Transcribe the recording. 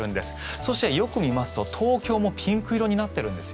そしてよく見ますと東京もピンク色になっているんです。